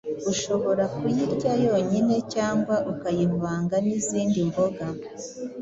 Ushobora kuyirya yonyine cyangwa ukayivanga n’izindi mboga